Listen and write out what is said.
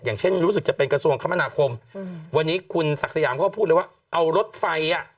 อย่างเช่นรู้สึกจะเป็นกระทรวงคมนาคมวันนี้คุณศักดิ์สยามเขาก็พูดเลยว่าเอารถไฟอ่ะ